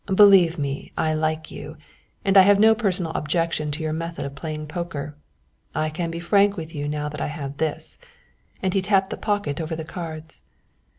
Believe me I like you, and I have no personal objection to your method of playing poker. I can be frank with you now that I have this," and he tapped the pocket over the cards.